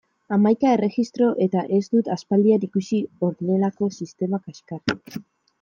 Hamaika erregistro eta ez dut aspaldian ikusi honelako sistema kaxkarrik!